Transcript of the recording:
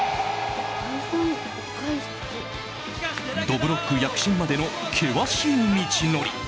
どぶろっく躍進までの険しい道のり。